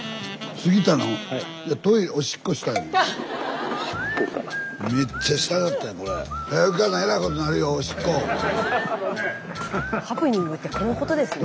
スタジオハプニングってこのことですね。